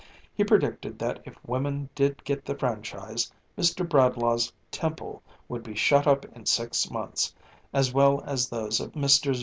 He predicted that if women did get the franchise, Mr. Bradlaugh's "Temple" would be shut up in six months, as well as those of Messrs.